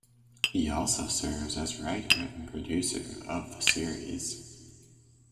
He also serves as writer and producer of the series.